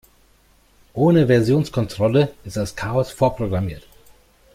Ohne Versionskontrolle ist das Chaos vorprogrammiert.